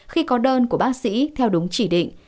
khi có đơn của bác sĩ theo đúng chỉ định